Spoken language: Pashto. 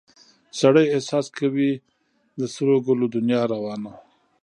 سړي احساس کې وي د سرو ګلو دنیا روانه